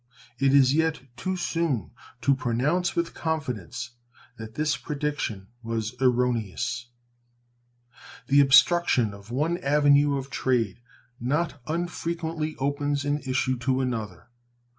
It is yet too soon to pronounce with confidence that this prediction was erroneous. The obstruction of one avenue of trade not unfrequently opens an issue to another.